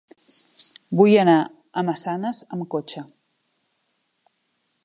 Vull anar a Massanes amb cotxe.